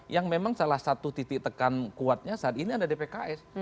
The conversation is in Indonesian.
yang memang salah satu titik tekan kuatnya saat ini ada di pks